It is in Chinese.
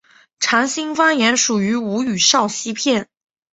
长兴方言属于吴语苕溪片。